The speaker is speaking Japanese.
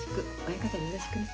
親方によろしくね。